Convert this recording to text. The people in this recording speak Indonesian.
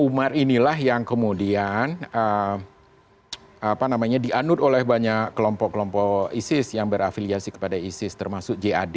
umar inilah yang kemudian dianut oleh banyak kelompok kelompok isis yang berafiliasi kepada isis termasuk jad